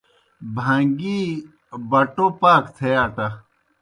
بھاݩگیْ بَٹَو پاک تھے اٹہ۔